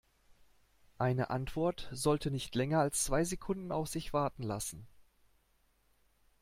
Eine Antwort sollte nicht länger als zwei Sekunden auf sich warten lassen.